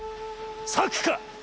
策か。